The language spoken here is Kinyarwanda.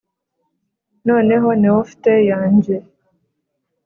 noneho neophte yanjye,